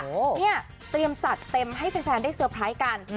เนี่ยเตรียมจัดเต็มให้แฟนได้เตอร์ไพรส์กัน